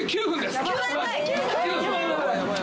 ９分。